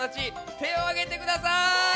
てをあげてください！